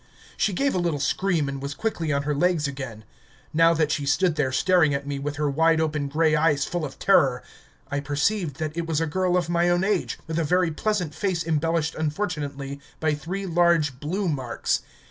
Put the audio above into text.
She gave a little scream and was quickly on her legs again. Now that she stood there staring at me, with her wide open grey eyes full of terror, I perceived that it was a girl of my own age, with a very pleasant face embellished unfortunately by three large blue marks.